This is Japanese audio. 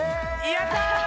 やった！